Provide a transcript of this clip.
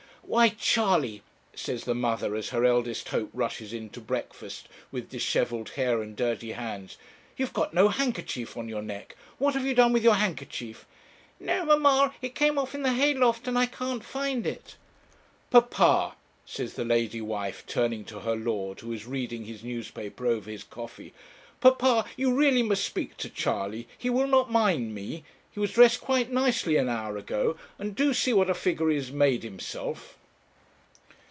'Why, Charley,' says the mother, as her eldest hope rushes in to breakfast with dishevelled hair and dirty hands, 'you've got no handkerchief on your neck what have you done with your handkerchief?' 'No, mamma; it came off in the hay loft, and I can't find it.' 'Papa,' says the lady wife, turning to her lord, who is reading his newspaper over his coffee 'papa, you really must speak to Charley; he will not mind me. He was dressed quite nicely an hour ago, and do see what a figure he has made himself.'